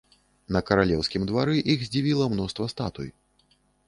На каралеўскім двары іх здзівіла мноства статуй.